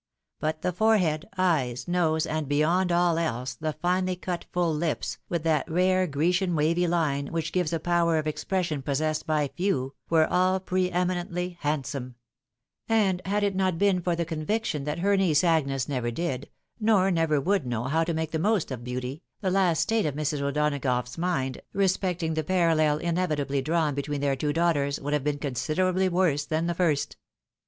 But the forehead, eyes, nose, and beyond all else, the finely cut fuU lips, with that rare Grecian wavy hne, which gives a power of expression possessed by few, were all pre eminently handsome ; and had it not been for the conviction that her niece Agnes never did, nor never would know how to make the most of beauty, the last state of Mrs. O'Donagough's mind, respecting the parallel inevitably drawn between their two daughters, would have been considerably worse than the first.